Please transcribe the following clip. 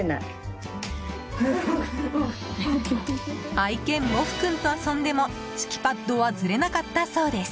愛犬もふ君と遊んでも敷きパッドはずれなかったそうです。